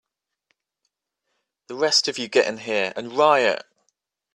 The rest of you get in here and riot!